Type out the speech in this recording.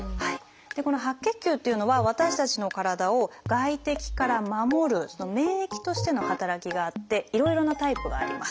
この白血球というのは私たちの体を外敵から守る免疫としての働きがあっていろいろなタイプがあります。